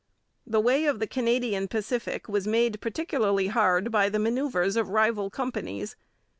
The way of the Canadian Pacific was made particularly hard by the manoeuvres of rival companies.